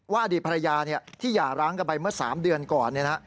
อดีตภรรยาที่หย่าร้างกันไปเมื่อ๓เดือนก่อน